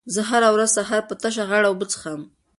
زه هره ورځ سهار په تشه غاړه اوبه څښم.